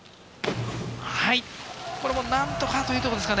これも何とかというところでしょうか。